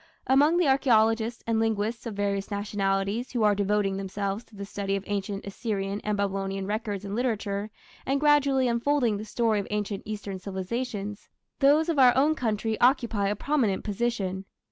Among the archaeologists and linguists of various nationalities who are devoting themselves to the study of ancient Assyrian and Babylonian records and literature, and gradually unfolding the story of ancient Eastern civilization, those of our own country occupy a prominent position.